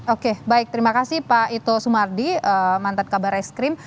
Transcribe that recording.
oke baik terima kasih pak ito sumardi mantan kabar eskrim